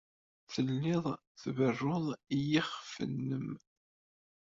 Tellid tberrud i yiɣef-nnem.